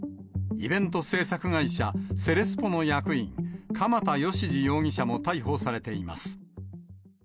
イベント制作会社、セレスポの役員、鎌田義次容疑者も逮捕されています。